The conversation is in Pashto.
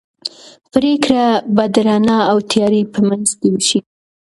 پرېکړه به د رڼا او تیارې په منځ کې وشي.